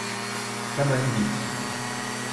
Hemen git.